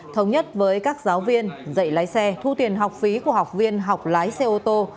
thống nhất với các giáo viên dạy lái xe thu tiền học phí của học viên học lái xe ô tô